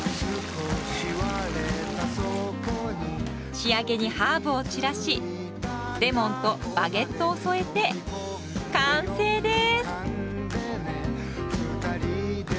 仕上げにハーブを散らしレモンとバゲットを添えて完成です！